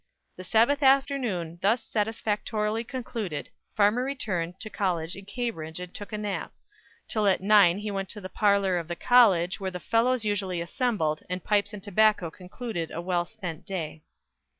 The Sabbath afternoon thus satisfactorily concluded, Farmer returned to college in Cambridge and took a nap, till at nine he went to the parlour of the college where the Fellows usually assembled, and pipes and tobacco concluded a well spent day.